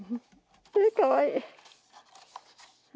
かわいい。